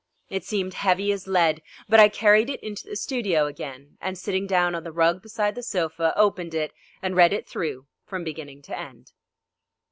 It seemed heavy as lead, but I carried it into the studio again, and sitting down on the rug beside the sofa, opened it and read it through from beginning to end.